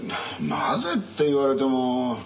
なぜって言われても。